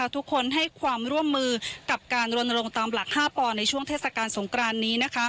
ทุกคนให้ความร่วมมือกับการรณรงค์ตามหลัก๕ปอในช่วงเทศกาลสงครานนี้